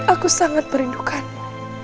aku sangat merindukanmu